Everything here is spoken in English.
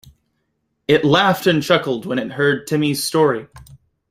It laughed and chuckled when it heard Timmy's story.